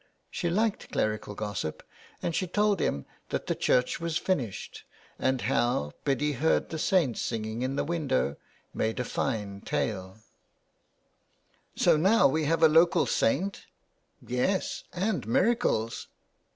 She liked clerical gossip, and she told him that the church was finished, and how Biddy heard the saints singing in the window made a fine tale. 342 THE WILD GOOSE. " So now we have a local saint." " Yes, and miracles